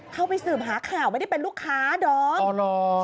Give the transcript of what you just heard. เข้าไปสืบหาข่าวไม่ได้เป็นลูกค้าด้อง